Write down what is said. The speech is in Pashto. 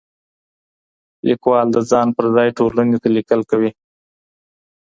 ليکوال د ځان پر ځای ټولني ته ليکل کوي.